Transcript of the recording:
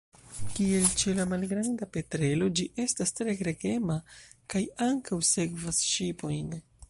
Kiel ĉe la Malgranda petrelo, ĝi estas tre gregema, kaj ankaŭ sekvas ŝipojn.